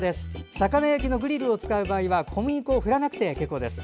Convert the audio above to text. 魚焼きのグリルを使う場合は小麦粉を振らなくて結構です。